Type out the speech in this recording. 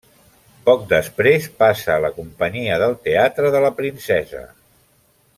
Poc després passa a la companyia del Teatre de la Princesa.